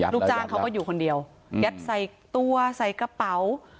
ลูกจ้างเขาก็อยู่คนเดียวยัดใส่ตัวใส่กระเป๋า